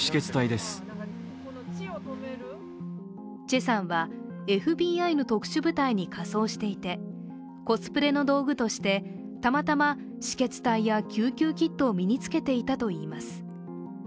チェさんは、ＦＢＩの特殊部隊に仮装していてコスプレの道具としてたまたま止血帯や救急キットを身に着けていたといいます。